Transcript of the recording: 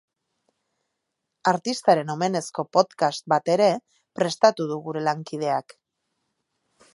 Artistaren omenezko podcast bat ere prestatu du gure lankideak.